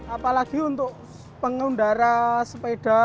apalagi untuk pengendara sepeda